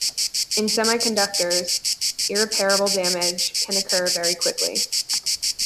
In semiconductors, irreparable damage can occur very quickly.